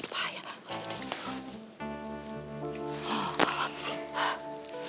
bahaya harus sedih